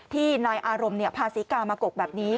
ที่นายอารมณ์พาศรีกามากกแบบนี้